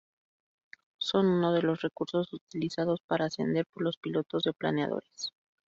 Son uno de los recursos utilizados para ascender por los pilotos de planeadores.